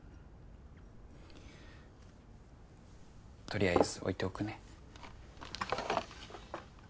取りあえず置いておくね。